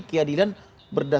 seorang yang beriman